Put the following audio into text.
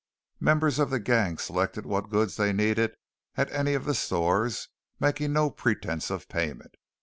Members of the gang selected what goods they needed at any of the stores, making no pretence of payment.